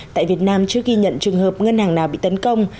tại việt nam trước khi nhận trường hợp ngân hàng nào bị tấn công